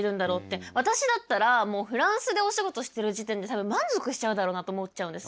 私だったらもうフランスでお仕事してる時点で多分満足しちゃうだろうなって思っちゃうんです。